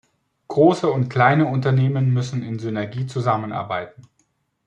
Große und kleine Unternehmen müssen in Synergie zusammenarbeiten.